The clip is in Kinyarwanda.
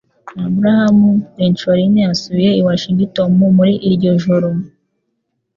Abraham Lincoln yasubiye i Washington muri iryo joro